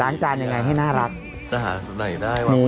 ล้างจานยังไงให้น่ารักจะหาสุดใดได้ว่าผู้ชายล้างจานเนี้ย